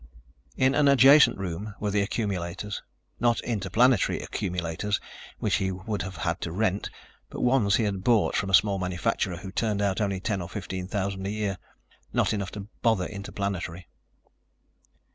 In an adjacent room were the accumulators. Not Interplanetary accumulators, which he would have had to rent, but ones he had bought from a small manufacturer who turned out only ten or fifteen thousand a year ... not enough to bother Interplanetary.